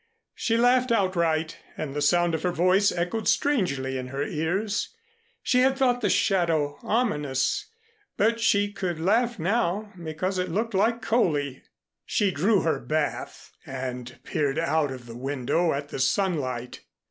She laughed outright, and the sound of her voice echoed strangely in her ears. She had thought the shadow ominous, but she could laugh now because it looked like Coley! She drew her bath and peered out of the window at the sunlight.